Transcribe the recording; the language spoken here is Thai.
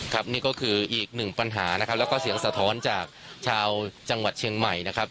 นี่ก็คืออีกหนึ่งปัญหานะครับแล้วก็เสียงสะท้อนจากชาวจังหวัดเชียงใหม่นะครับ